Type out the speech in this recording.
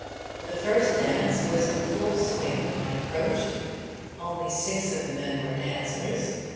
The first dance was in full swing when I approached. Only six of the men were dancers.